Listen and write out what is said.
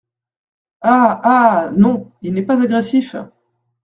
Ah ! ah ! non, il n’est pas agressif !…